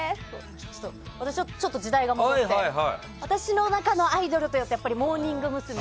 私ちょっと時代が戻って私の中のアイドルというとモーニング娘。